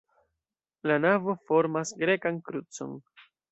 La navo formas grekan krucon.